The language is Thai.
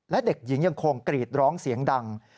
และเด็กหญิงยังคงกรีดร้องเสียงดัง